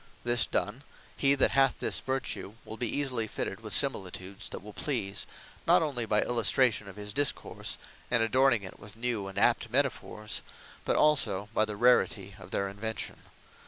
This done; he that hath this Vertue, will be easily fitted with similitudes, that will please, not onely by illustration of his discourse, and adorning it with new and apt metaphors; but also, by the rarity or their invention.